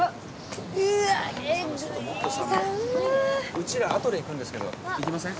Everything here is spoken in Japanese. うちらアトレ行くんですけど行きません？